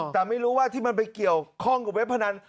แต่ไม่รู้ว่าที่มันไปเกี่ยวข้องกับเว็บพนัน